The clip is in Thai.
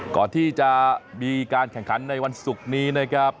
ก่อนที่จะมีการแข่งขันในวันศุกร์นี้นะครับ